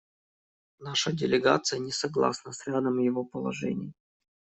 Наша делегация не согласна с рядом его положений.